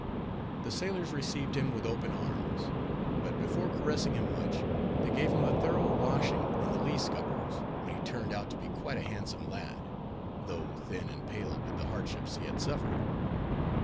The sailors received him with open arms; but before caressing him much, they gave him a thorough washing in the lee scuppers, when he turned out to be quite a handsome lad, though thin and pale with the hardships he had suffered.